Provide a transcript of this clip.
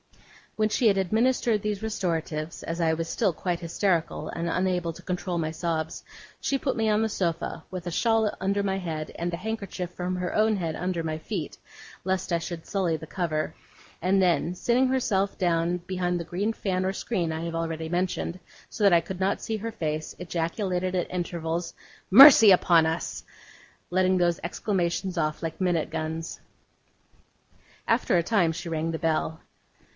When she had administered these restoratives, as I was still quite hysterical, and unable to control my sobs, she put me on the sofa, with a shawl under my head, and the handkerchief from her own head under my feet, lest I should sully the cover; and then, sitting herself down behind the green fan or screen I have already mentioned, so that I could not see her face, ejaculated at intervals, 'Mercy on us!' letting those exclamations off like minute guns. After a time she rang the bell.